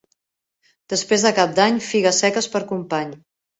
Després de Cap d'Any, figues seques per company.